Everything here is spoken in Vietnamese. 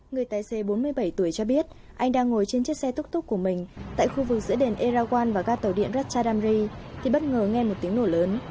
người tài xế bốn mươi bảy tuổi cho biết anh đang ngồi trên chiếc xe túc túc của mình tại khu vực giữa đền erawan và gác tàu điện ratchadamri thì bất ngờ nghe một tiếng nổ lớn